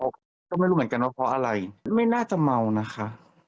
ก็ไม่รู้เหมือนกันว่าเพราะอะไรไม่น่าจะเมานะคะ